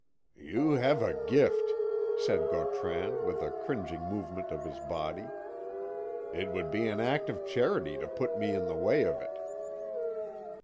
"You have a gift," said Gautran with a cringing movement of his body. "It would be an act of charity to put me in the way of it."